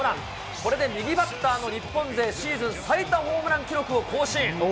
これで右バッターの日本勢シーズン最多ホームラン記録を更新。